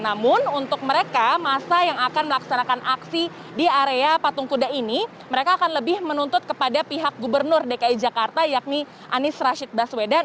namun untuk mereka masa yang akan melaksanakan aksi di area patung kuda ini mereka akan lebih menuntut kepada pihak gubernur dki jakarta yakni anies rashid baswedan